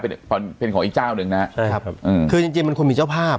เป็นเป็นของอีกเจ้าหนึ่งนะฮะใช่ครับอืมคือจริงจริงมันควรมีเจ้าภาพ